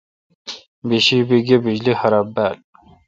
بیشی بی گہ بجلی خراب بال۔